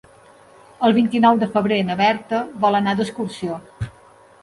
El vint-i-nou de febrer na Berta vol anar d'excursió.